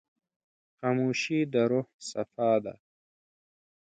خاموشي، د روح صفا ده.